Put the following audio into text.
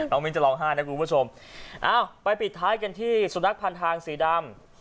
มิ้นจะร้องไห้นะคุณผู้ชมเอ้าไปปิดท้ายกันที่สุนัขพันทางสีดำ